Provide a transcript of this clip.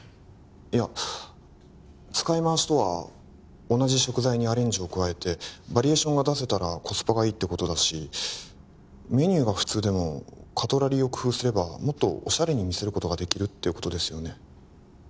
いや使い回しとは同じ食材にアレンジを加えてバリエーションが出せたらコスパがいいってことだしメニューが普通でもカトラリーを工夫すればもっとオシャレに見せることができるってことですよね？